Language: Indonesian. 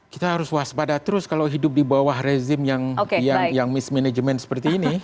kita harus waspada terus kalau hidup di bawah rezim yang mismanagement seperti ini